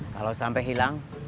kalau sampai hilang